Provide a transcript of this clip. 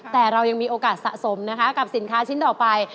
แต่เรายังมีโอกาสสะสมนะคะกับสินค้าชิ้นต่อไป